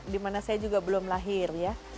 di mana saya juga belum lahir